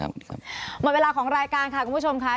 หมดเวลาของรายการค่ะคุณผู้ชมค่ะ